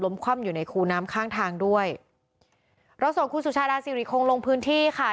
คว่ำอยู่ในคูน้ำข้างทางด้วยเราส่งคุณสุชาดาสิริคงลงพื้นที่ค่ะ